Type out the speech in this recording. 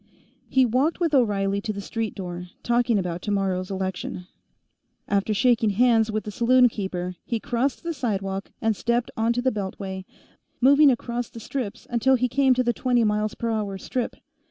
He walked with O'Reilly to the street door, talking about tomorrow's election; after shaking hands with the saloon keeper, he crossed the sidewalk and stepped onto the beltway, moving across the strips until he came to the twenty m.p.h. strip.